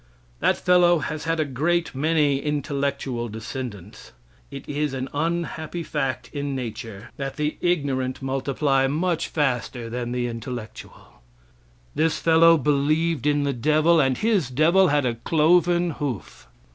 That fellow has had a great many intellectual descendents. It is an unhappy fact in nature that the ignorant multiply much faster than the intellectual. This fellow believed in the devil, and his devil had a cloven hoof.